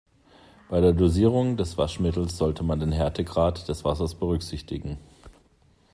Bei der Dosierung des Waschmittels sollte man den Härtegrad des Wassers berücksichtigen.